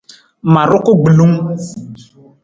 Ma ruku gbilung.